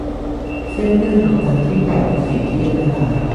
เส้นเลือดอุดตันที่ปอดเป็นสิ่งที่อันตราย